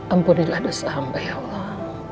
ampunilah dosa hamba ya allah